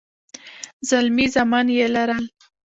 زلمي زامن يې لرل.